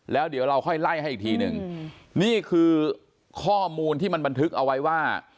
แล้วเดี๋ยวเราค่อยไล่ให้อีกทีหนึ่งนี่คือข้อมูลที่มันบันทึกเอาไว้ว่า